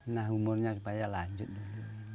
nah umurnya supaya lanjut dulu